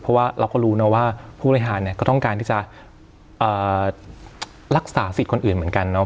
เพราะว่าเราก็รู้นะว่าผู้บริหารเนี่ยก็ต้องการที่จะรักษาสิทธิ์คนอื่นเหมือนกันเนาะ